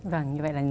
vâng như vậy là nghe